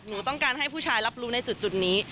หนูต้องการให้ผู้ชายรับรู้ในจุดนี้